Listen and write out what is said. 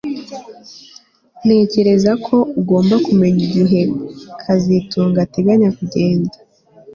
Ntekereza ko ugomba kumenya igihe kazitunga ateganya kugenda